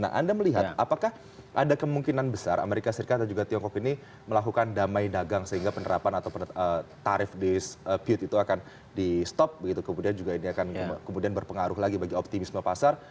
nah anda melihat apakah ada kemungkinan besar amerika serikat dan juga tiongkok ini melakukan damai dagang sehingga penerapan atau tarif dispute itu akan di stop begitu kemudian juga ini akan kemudian berpengaruh lagi bagi optimisme pasar